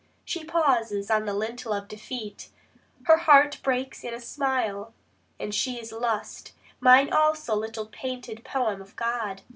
She pauses, on the lintel of defeat, Her heart breaks in a smile and she is Lust ... Mine also, little painted poem of God.